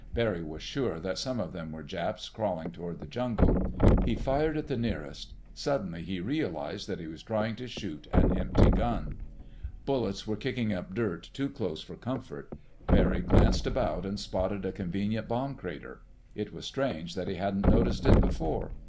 Barry was sure that some of them were Japs crawling toward the jungle. He fired at the nearest. Suddenly he realized that he was trying to shoot an empty gun. Bullets were kicking up dirt too close for comfort. Barry glanced about and spotted a convenient bomb crater. It was strange that he hadn't noticed it before.